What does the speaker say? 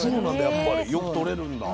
やっぱりよくとれるんだ。